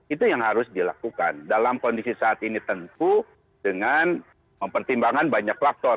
itu yang harus dilakukan dalam kondisi saat ini tentu dengan mempertimbangkan banyak faktor